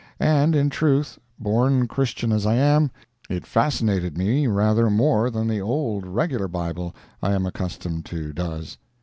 And, in truth, born Christian as I am, it fascinated me rather more than the old regular Bible I am accustomed to does.